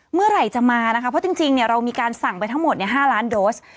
เมื่อไหร่จะมานะคะเพราะจริงเรามีการสั่งไปทั้งหมด๕ล้านโดส